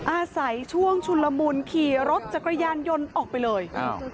อาศัยช่วงชุนละมุนขี่รถจักรยานยนต์ออกไปเลยอ้าว